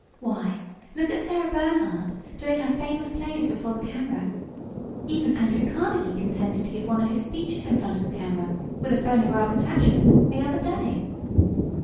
Why, look at Sarah Bernhardt, doing her famous plays before the camera? Even Andrew Carnegie consented to give one of his speeches in front of the camera, with a phonograph attachment, the other day."